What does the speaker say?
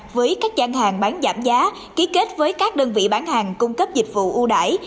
với các gian hàng bán giảm giá ký kết với các đơn vị bán hàng cung cấp dịch vụ ưu đải